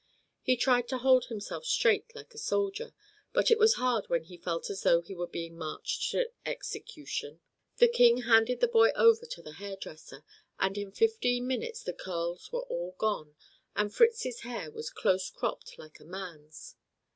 He tried to hold himself straight like a soldier, but it was hard when he felt as though he were being marched to execution. The King handed the boy over to the hair dresser, and in fifteen minutes the curls were all gone and Fritz's hair was close cropped like a man's.